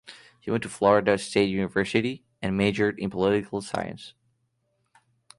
He went to Florida State University and majored in political science.